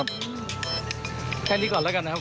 แค่นี้ก่อนแล้วกันนะครับ